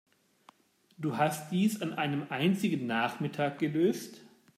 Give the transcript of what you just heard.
Du hast dies an einem einzigen Nachmittag gelöst?